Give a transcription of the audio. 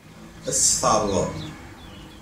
Ad as-tt-tɛeṛḍeḍ?